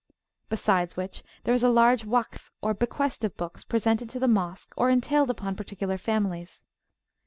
Besides which, there is a large Wakf or bequest of books, presented to the Mosque or entailed upon particular families.